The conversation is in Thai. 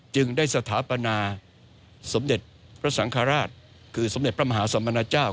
จึงได้สถาปนาสมเด็จพระสังฆราชคือสมเด็จพระมหาสมณเจ้า